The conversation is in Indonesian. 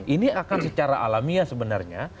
ini akan secara alamiah sebenarnya